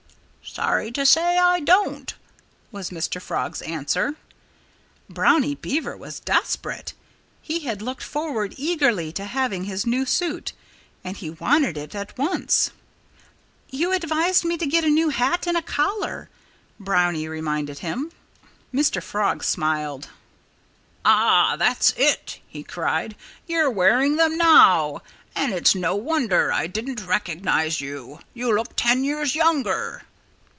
"Sorry to say I don't," was Mr. Frog's answer. Brownie Beaver was desperate. He had looked forward eagerly to having his new suit. And he wanted it at once. "You advised me to get a new hat and a collar," Brownie reminded him. Mr. Frog smiled. "Ah! That's it!" he cried. "You're wearing them now; and it's no wonder I didn't recognize you. You look ten years younger."